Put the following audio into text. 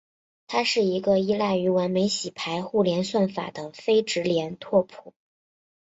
它是一个依赖于完美洗牌互联算法的非直连拓扑。